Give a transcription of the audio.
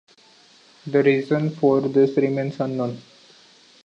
The reason for this remains unknown.